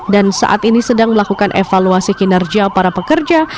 dan saat ini sedang melakukan evaluasi kinerja para pekerja